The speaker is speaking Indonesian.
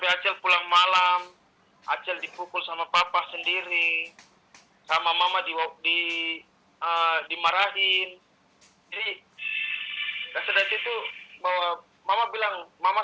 acel mau masuk ke dunia hip hop itu banyak tantangan